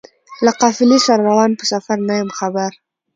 له قافلې سره روان په سفر نه یم خبر